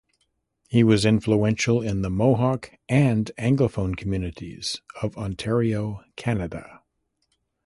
He was influential in the Mohawk and Anglophone communities of Ontario, Canada.